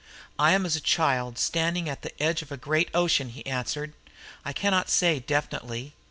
"I am as a child standing at the edge of a great ocean," he answered. "I cannot say definitely.